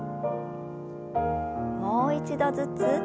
もう一度ずつ。